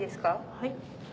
はい。